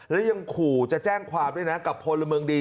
และยังขู่จะแจ้งความด้วยนะกับพลเมืองดี